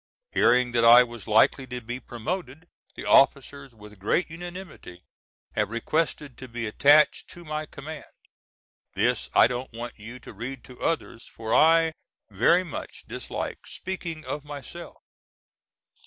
Hearing that I was likely to be promoted, the officers, with great unanimity, have requested to be attached to my command. This I don't want you to read to others for I very much dislike speaking of myself.